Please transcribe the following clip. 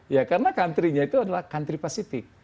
ya karena countrynya itu adalah country pasifik